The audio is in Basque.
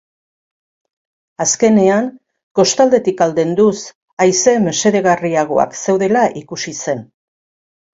Azkenean, kostaldetik aldenduz, haize mesedegarriagoak zeudela ikusi zen.